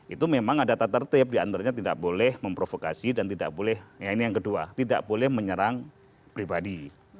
itu memang ada tata tertib diantaranya tidak boleh memprovokasi dan tidak boleh ya ini yang kedua tidak boleh menyerang pribadi